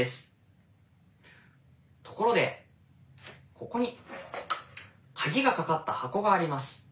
ところでここに鍵が掛かった箱があります。